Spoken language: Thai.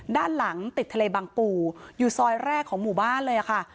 ด้านหลังติดทะเลบังปู่อยู่ซอยแรกของหมู่บ้านเลยค่ะ